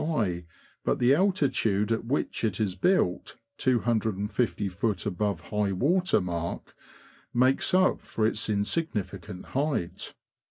high, but the altitude at which it is built (250ft. above high water mark) makes up for its insignificant height.